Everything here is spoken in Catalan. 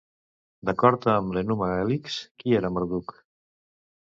D'acord amb l'Enuma Elix, qui era Marduk?